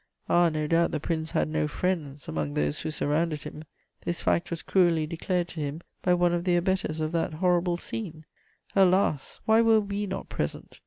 "Ah, no doubt the Prince had no friends among those who surrounded him; this fact was cruelly declared to him by one of the abettors of that horrible scene!... Alas, why were we not present!